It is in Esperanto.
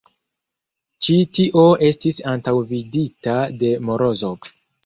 Ĉi tio estis antaŭvidita de Morozov.